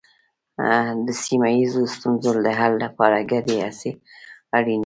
د سیمه ییزو ستونزو د حل لپاره ګډې هڅې اړینې دي.